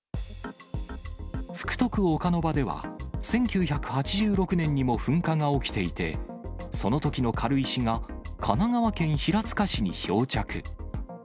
福徳岡ノ場では、１９８６年にも噴火が起きていて、そのときの軽石が、神奈川県平塚市に漂着。